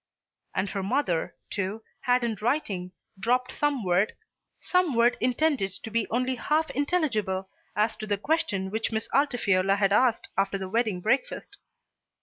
And her mother, too, had in writing dropped some word, some word intended to be only half intelligible as to the question which Miss Altifiorla had asked after the wedding breakfast.